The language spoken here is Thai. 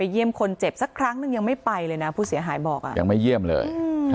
ยังไม่เยี่ยมเลย